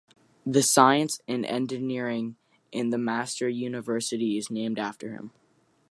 The Science and Engineering library at McMaster University is named after him.